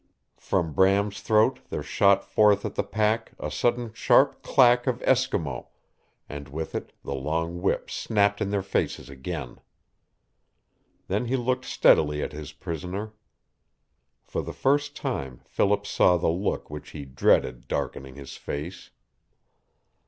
From Bram's throat there shot forth at the pack a sudden sharp clack of Eskimo, and with it the long whip snapped in their faces again. Then he looked steadily at his prisoner. For the first time Philip saw the look which he dreaded darkening his face.